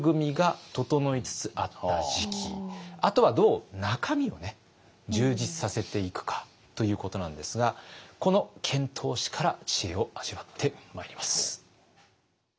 あとはどう中身を充実させていくかということなんですがこの遣唐使から知恵を味わってまいります。